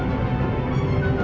apaan sih ini